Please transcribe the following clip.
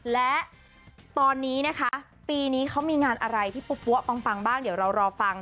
และตอนนี้นะคะปีนี้เขามีงานอะไรที่ปั๊วปังบ้างเดี๋ยวเรารอฟัง